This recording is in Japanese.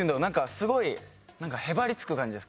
すごいへばりつく感じです